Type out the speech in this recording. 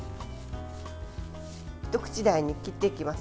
一口大に切っていきます。